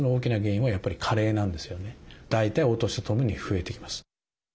大体お年とともに増えてきます。